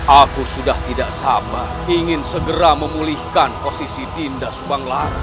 aku sudah tidak sabar ingin segera memulihkan posisi dinda subanglah